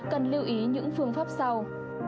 cần lưu ý những phương pháp sau